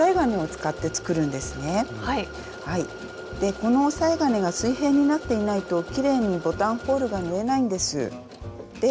この押さえ金が水平になっていないときれいにボタンホールが縫えないんです。